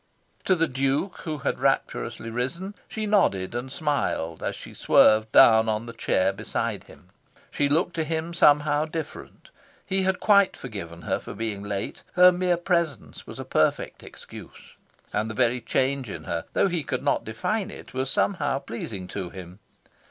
To the Duke, who had rapturously risen, she nodded and smiled as she swerved down on the chair beside him. She looked to him somehow different. He had quite forgiven her for being late: her mere presence was a perfect excuse. And the very change in her, though he could not define it, was somehow pleasing to him.